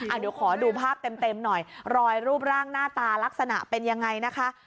เดี๋ยวขอดูภาพเต็มหน่อยรอยรูปร่างหน้าตาลักษณะเป็นยังไงนะคะ